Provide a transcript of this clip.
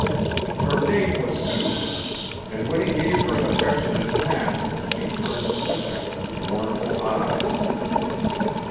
Her name was Susie, and when he gave her an affectionate pat she turned and looked at him with mournful eyes.